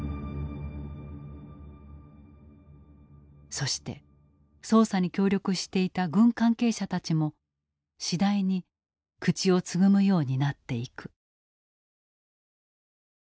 そして捜査に協力していた軍関係者たちも次第に口をつぐむようになっていく。